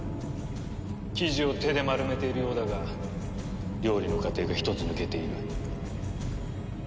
生地を手で丸めているようだが料理の過程が一つ抜けている。